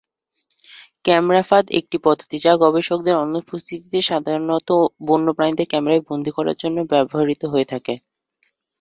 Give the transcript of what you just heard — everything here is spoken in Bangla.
ক্যামেরা ফাঁদ একটি পদ্ধতি যা গবেষকদের অনুপস্থিতিতে সাধারণত বন্য পশুদের ক্যামেরায় বন্দি করার জন্য ব্যবহৃত হয়ে থাকে।